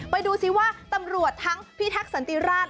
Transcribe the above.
ไปดูซิว่าตำรวจทั้งพี่แท็กสันติราช